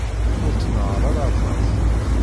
Ur tnehheṛ ara aṭas.